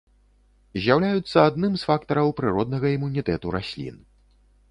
З'яўляюцца адным з фактараў прыроднага імунітэту раслін.